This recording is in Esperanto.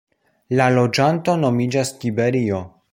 La loĝanto nomiĝas "tiberio".